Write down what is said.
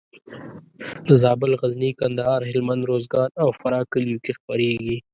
د زابل، غزني، کندهار، هلمند، روزګان او فراه کلیو کې خپرېږي.